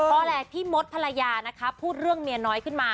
เพราะอะไรพี่มดภรรยานะคะพูดเรื่องเมียน้อยขึ้นมา